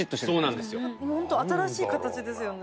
でもホント新しい形ですよね